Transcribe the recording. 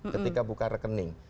ketika buka rekening